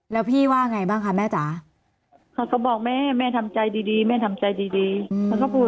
แล้วพี่ว่าไงบ้างคะแม่จ๋าเขาก็บอกแม่แม่ทำใจดีแม่ทำใจดีเขาก็พูด